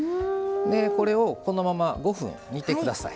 これをこのまま５分煮てください。